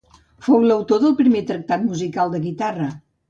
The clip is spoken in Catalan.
Fou l'autor del primer tractat musical de guitarra.